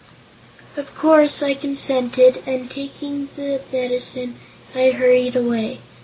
Of course I consented and, taking the medicine, I hurried away.